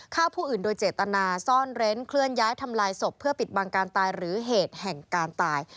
ฆ่าผู้อื่นโดยเจตนาซ่อนเร้นเคลื่อนย้ายทำลายศพเพื่อปิดบังการตายหรือเหตุแห่งการตาย